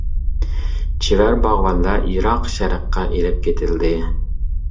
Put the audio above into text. چېۋەر باغۋەنلەر يىراق شەرققە ئېلىپ كېتىلدى.